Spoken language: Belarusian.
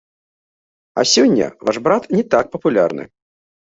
А сёння ваш брат не так папулярны.